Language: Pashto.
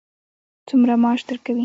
څومره معاش درکوي.